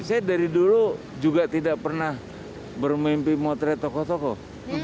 saya dari dulu juga tidak pernah bermimpi motret tokoh tokoh